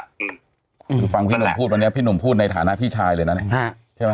คือฟังพี่หนุ่มพูดวันนี้พี่หนุ่มพูดในฐานะพี่ชายเลยนะเนี่ยใช่ไหม